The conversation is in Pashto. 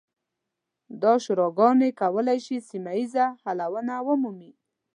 دا شوراګانې کولی شي سیمه ییز حلونه ومومي.